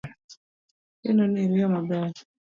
Ageno ni riyo maber